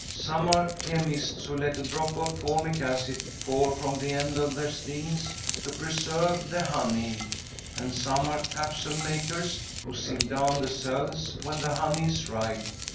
Some are chemists, who let a drop of formic acid fall from the end of their stings to preserve the honey, and some are capsule makers, who seal down the cells when the honey is ripe.